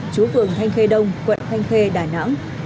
chú phường thanh khê đông quận thanh khê đà nẵng